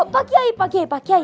pak kiai pak kiai pak kiai